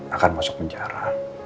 akan masuk penjara